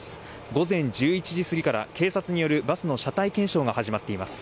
午前１１時過ぎから警察によるバスの車体検証が始まっています。